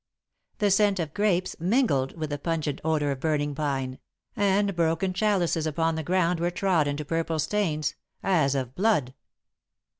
The scent of grapes mingled with the pungent odour of burning pine, and broken chalices upon the ground were trod into purple stains, as of blood.